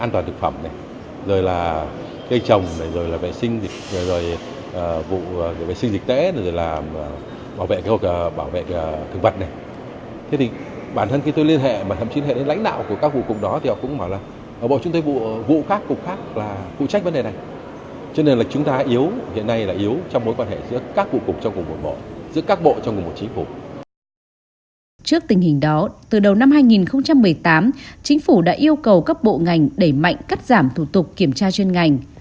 trước tình hình đó từ đầu năm hai nghìn một mươi tám chính phủ đã yêu cầu các bộ ngành đẩy mạnh cắt giảm thủ tục kiểm tra chuyên ngành